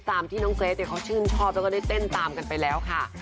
ตามที่น้องเกรทเขาชื่นชอบแล้วก็ได้เต้นตามกันไปแล้วค่ะ